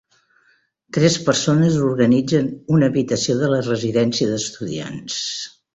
Tres persones organitzen una habitació de la residència d'estudiants